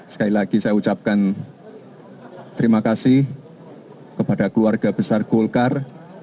sekali lagi saya ucapkan terima kasih kepada keluarga besar golkar